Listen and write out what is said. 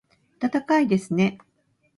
暖かいですね